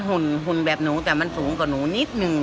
หุ่นแบบหนูแต่มันสูงกว่าหนูนิดนึง